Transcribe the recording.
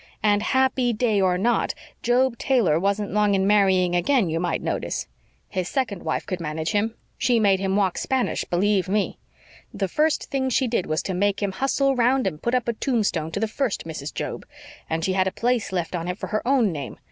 And happy day or not, Job Taylor wasn't long in marrying again, you might notice. His second wife could manage him. She made him walk Spanish, believe me! The first thing she did was to make him hustle round and put up a tombstone to the first Mrs. Job and she had a place left on it for her own name.